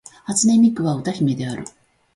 初音ミクは歌姫である